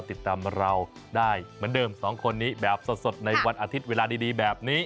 ติดตามเราได้เหมือนเดิม๒คนนี้แบบสดในวันอาทิตย์เวลาดีแบบนี้